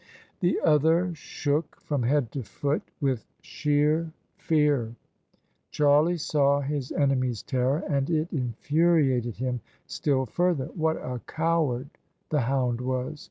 The other shook from head to foot with sheer fear. Charlie saw his enemy's terror and it infuriated him still further. What a coward the hound was